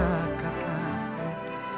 aku akan pergi